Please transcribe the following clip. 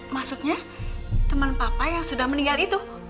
maksudnya teman papa yang sudah meninggal itu